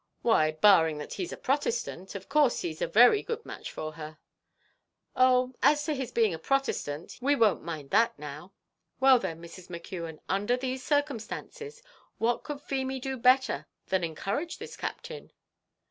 "Why, barring that he's a Protestant, of course he's a very good match for her." "Oh! as to his being a Protestant, we won't mind that now. Well then, Mrs. McKeon, under these circumstances, what could Feemy do better than encourage this Captain?"